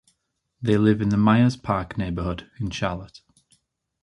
They live in the Myers Park neighborhood in Charlotte.